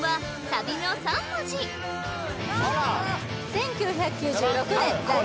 １９９６年あっ